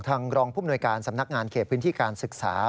รองภูมิหน่วยการสำนักงานเขตพื้นที่การศึกษา